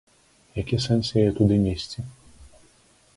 Які сэнс яе туды несці.